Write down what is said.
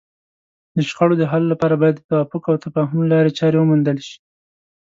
د شخړو د حل لپاره باید د توافق او تفاهم لارې چارې وموندل شي.